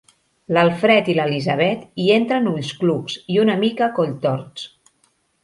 L'Alfred i l'Elisabet hi entren ullclucs i una mica colltorts.